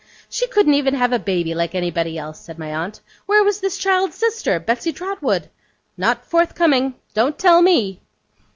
'She couldn't even have a baby like anybody else,' said my aunt. 'Where was this child's sister, Betsey Trotwood? Not forthcoming. Don't tell me!